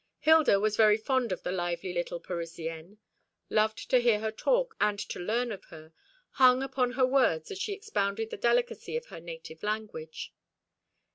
Hilda was very fond of the lively little Parisienne: loved to hear her talk, and to learn of her; hung upon her words as she expounded the delicacies of her native language.